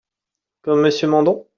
Comme Monsieur Mandon